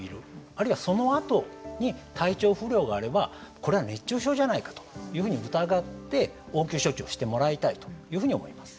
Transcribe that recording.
あるいは、そのあとに体調不良があればこれは熱中症じゃないかというふうに疑って、応急処置をしてもらいたいというふうに思います。